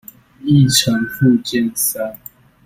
議程附件三